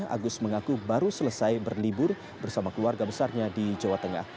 agus mengaku baru selesai berlibur bersama keluarga besarnya di jawa tengah